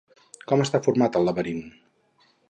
Com està format el laberint?